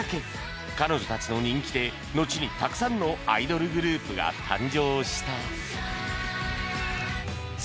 彼女たちの人気でのちにたくさんのアイドルグループが誕生した